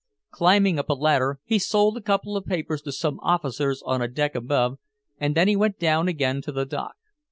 Climbing up a ladder he sold a couple of papers to some officers on a deck above, and then he went down again to the dock.